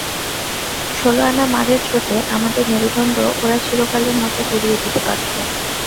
ষোলো-আনা মারের চোটে আমাদের মেরুদণ্ড ওরা চিরকালের মতো গুঁড়িয়ে দিতে পারত।